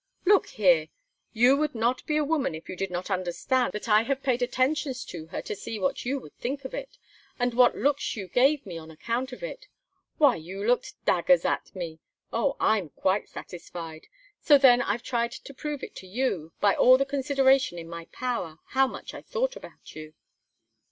"Look here! you would not be a woman if you did not understand that I have paid attentions to her to see what you would think of it! and what looks you gave me on account of it. Why, you looked daggers at me! Oh! I'm quite satisfied. So then I have tried to prove to you, by all the consideration in my power, how much I thought about you."